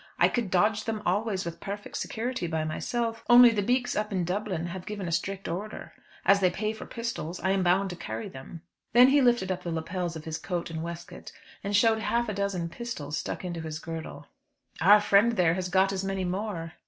I could dodge them always with perfect security by myself, only the beaks up in Dublin have given a strict order. As they pay for the pistols, I am bound to carry them." Then he lifted up the lappets of his coat and waistcoat, and showed half a dozen pistols stuck into his girdle. "Our friend there has got as many more."